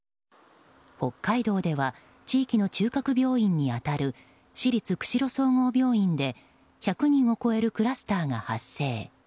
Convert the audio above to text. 北海道では地域の中核病院に当たる市立釧路総合病院で１００人を超えるクラスターが発生。